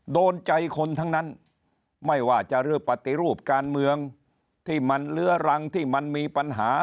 โดนใจคนทั้งนั้นไม่ว่าจะเลือกปฏิรูปการเมืองที่มันเลื้อรังที่มันมีปัญหา